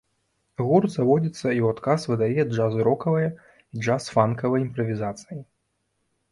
Гурт заводзіцца і ў адказ выдае джаз-рокавыя і джаз-фанкавыя імправізацыі.